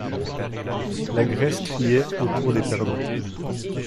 La graisse criait autour des perdreaux.